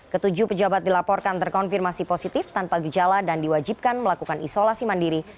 ketujuh pejabat dilaporkan terkonfirmasi positif tanpa gejala dan diwajibkan melakukan isolasi mandiri